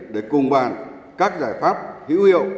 để cùng bàn các giải pháp hữu hiệu